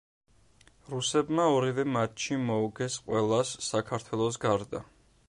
რუსებმა ორივე მატჩი მოუგეს ყველას საქართველოს გარდა.